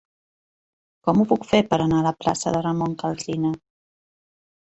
Com ho puc fer per anar a la plaça de Ramon Calsina?